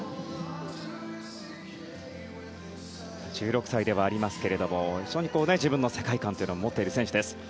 １６歳ではありますけれども非常に自分の世界観を持っている選手です。